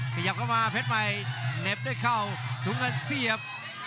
ขยับเข้ามาเพชรใหม่เหน็บด้วยเข่าถุงเงินเสียบ